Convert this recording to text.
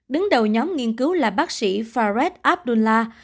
đứng đầu nhóm nghiên cứu là bác sĩ farid abdallah